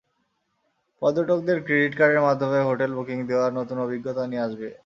পর্যটকদের ক্রেডিট কার্ডের মাধ্যমে হোটেল বুকিং দেওয়ার নতুন অভিজ্ঞতা নিয়ে আসবে।